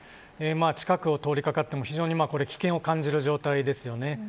近くを通りかかっても非常に危険を感じる状態です。